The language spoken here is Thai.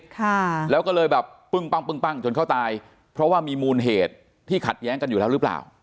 ค่ะแล้วก็เลยแบบปึ้งปั้งปึ้งปั้งจนเขาตายเพราะว่ามีมูลเหตุที่ขัดแย้งกันอยู่แล้วหรือเปล่า